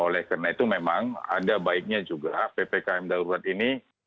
oleh karena itu memang ada baiknya juga ppkm darurat ini